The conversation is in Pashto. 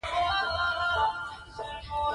نجلۍ د ژوند ښه ملګرې ده.